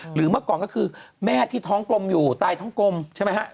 เมื่อก่อนก็คือแม่ที่ท้องกลมอยู่ตายท้องกลมใช่ไหมฮะ